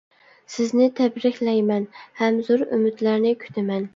سىزنى تەبرىكلەيمەن ھەم زور ئۈمىدلەرنى كۈتىمەن.